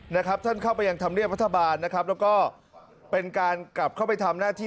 นะครับท่านเข้าไปยังธรรมเนียบรัฐบาลนะครับแล้วก็เป็นการกลับเข้าไปทำหน้าที่